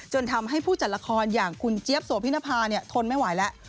ทำให้ผู้จัดละครอย่างคุณเจี๊ยบโสพินภาทนไม่ไหวแล้ว